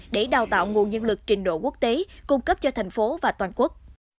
để đào tạo nguồn nhân lực trình độ quốc tế cung cấp cho tp hcm và toàn quốc